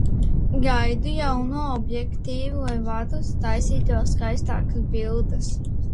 Gaidu jauno objektīvu, lai varu taisīt vēl skaistākas bildes.